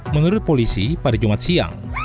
menurut polisi pada jumat siang